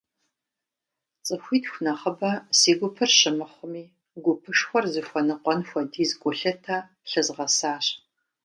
ЦӀыхуитху нэхъыбэ си гупыр щымыхъуми, гупышхуэр зыхуэныкъуэн хуэдиз гулъытэ лъызгъэсащ.